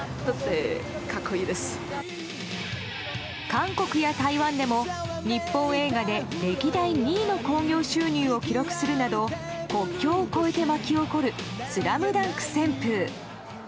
韓国や台湾でも日本映画で歴代２位の興行収入を記録するなど国境を越えて巻き起こる「ＳＬＡＭＤＵＮＫ」旋風。